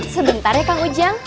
sebentar ya kang ujang